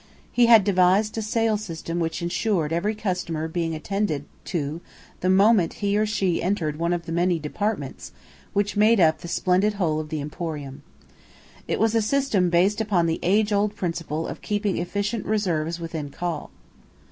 He had devised a sale system which ensured every customer being attended to the moment he or she entered one of the many departments which made up the splendid whole of the emporium. It was a system based upon the age old principle of keeping efficient reserves within call.